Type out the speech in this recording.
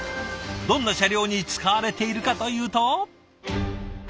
どんな車両に使われているかというと。